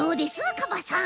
カバさん。